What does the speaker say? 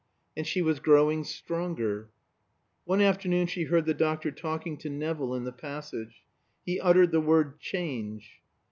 And she was growing stronger. One afternoon she heard the doctor talking to Nevill in the passage. He uttered the word "change."